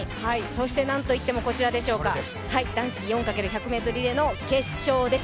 そしてなんといってもこちらでしょうか、男子４×１００リレーの決勝です。